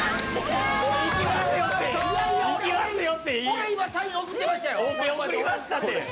俺、今、サイン送ってましたよ。